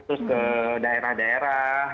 terus ke daerah daerah